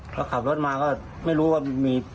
พอขับรถมาก็ไม่รู้ว่ามี